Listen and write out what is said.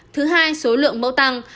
thứ hai số lượng mẫu tăng